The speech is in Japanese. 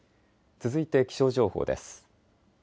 続いて気象情報です。